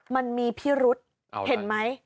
มันมีพิรุษเห็นไหม